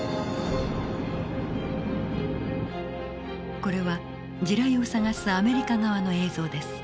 これは地雷を探すアメリカ側の映像です。